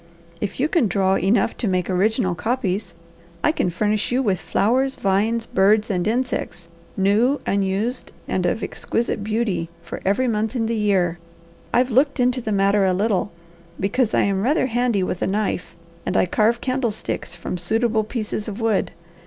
If you can draw enough to make original copies, I can furnish you with flowers, vines, birds, and insects, new, unused, and of exquisite beauty, for every month in the year. I've looked into the matter a little, because I am rather handy with a knife, and I carve candlesticks from suitable pieces of wood.